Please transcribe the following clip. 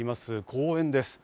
公園です。